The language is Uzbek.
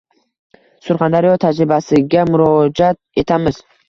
Surxondaryo «tajribasi»ga murojat etamiz.